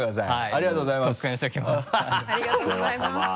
ありがとうございます。